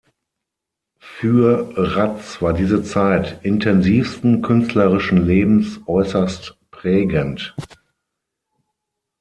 Für »Ratz war diese Zeit intensivsten künstlerischen Lebens äußerst prägend.